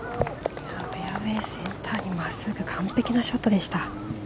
フェアウェーセンターに真っすぐ完璧なショットでした。